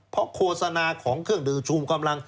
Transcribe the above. เพราะโฆษณาของเครื่องดื่มชูกำลัง